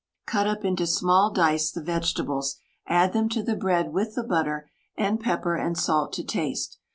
Cut up into small dice the vegetables; add them to the bread with the butter and pepper and salt to taste.